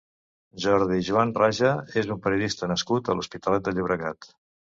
Jordi Juan Raja és un periodista nascut a l'Hospitalet de Llobregat.